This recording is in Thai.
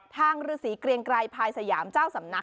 ฤษีเกรียงไกรภายสยามเจ้าสำนัก